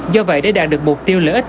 do vậy để đạt được mục tiêu lợi ích